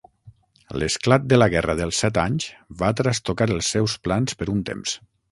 L'esclat de la guerra dels set anys va trastocar els seus plans per un temps.